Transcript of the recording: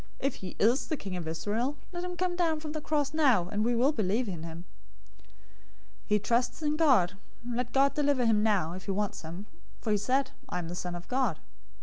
If he is the King of Israel, let him come down from the cross now, and we will believe in him. 027:043 He trusts in God. Let God deliver him now, if he wants him; for he said, 'I am the Son of God.'"